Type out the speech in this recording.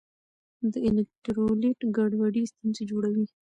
د الیکټرولیټ ګډوډي ستونزې جوړوي.